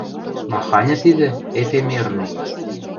— Маханьы тидӹ, «эфемерный»?